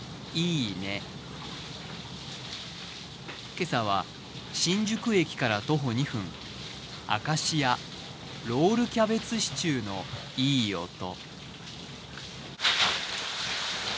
今朝は新宿駅から徒歩２分、アカシア、ロールキャベツシチューのいい音。